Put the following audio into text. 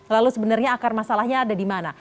lalu sebenarnya akar masalahnya ada di mana